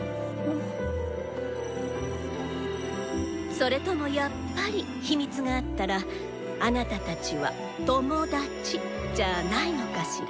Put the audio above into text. それともやっぱり秘密があったらあなたたちは「トモダチ」じゃあないのかしら？